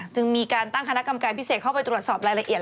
จึงมีการตั้งคณะกรรมการพิเศษเข้าไปตรวจสอบรายละเอียด